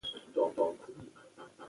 که ژبه مورنۍ وي نو زده کړه اسانه کېږي.